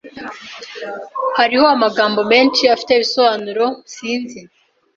Hariho amagambo menshi afite ibisobanuro Sinzi.